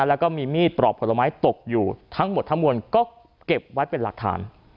แล้วก็มีมีดปลอกผลไม้ตกอยู่ทั้งหมดทั้งมวลก็เก็บไว้เป็นหลักฐาน